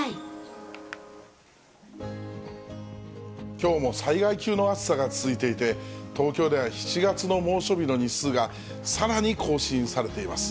きょうも災害級の暑さが続いていて、東京では７月の猛暑日の日数がさらに更新されています。